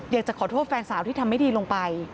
อยากจะขอโทษแฟนสาวที่ทำไม่ดีลงไป